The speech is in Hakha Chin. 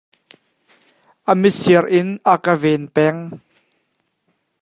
A mitsir in a ka ven peng.